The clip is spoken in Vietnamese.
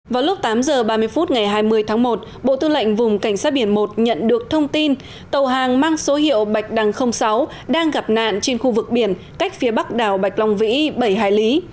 vào lúc tám h ba mươi phút ngày hai mươi tháng một bộ tư lệnh vùng cảnh sát biển một nhận được thông tin tàu hàng mang số hiệu bạch đằng sáu đang gặp nạn trên khu vực biển cách phía bắc đảo bạch long vĩ bảy hải lý